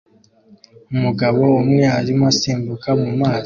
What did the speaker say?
Umugabo umwe arimo asimbukira mu mazi